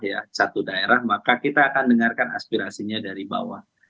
ya satu daerah maka kita akan dengarkan aspirasinya dari bawah